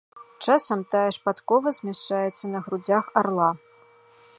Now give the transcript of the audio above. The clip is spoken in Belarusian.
Часам тая ж падкова змяшчаецца на грудзях арла.